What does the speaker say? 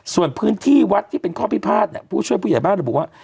ส่วนพื้นที่วัดที่เป็นข้อพิพาทผู้ช่วยผู้ใหญ่บ้านระบุว่า